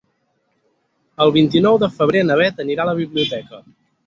El vint-i-nou de febrer na Beth anirà a la biblioteca.